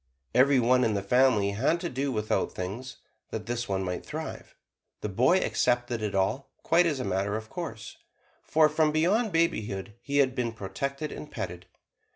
Every one in the family had to do without things, that this one might thrive. The boy accepted it all, quite as a matter of course, for from babyhood he had been protected and petted.